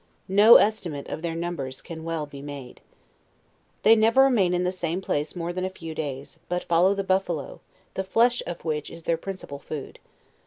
No estimate of their numbers can well be made. They never remain in the same place more than a few days, but follow the buffalo, the flesh of which is their principal food.